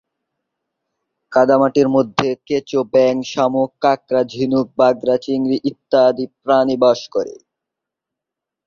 কাদামাটির মধ্যে কেঁচো, ব্যাঙ, শামুক, কাঁকড়া, ঝিনুক, বাগদা চিংড়ি ইত্যাদি প্রাণী বাস করে।